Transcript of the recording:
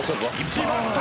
きました！